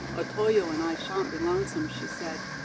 "Otoyo and I shan't be lonesome," she said.